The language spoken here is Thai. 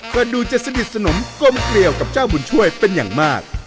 ก็ดูจะสนิทสนมกลมเกลียวกับเจ้าบุญช่วยเป็นอย่างมาก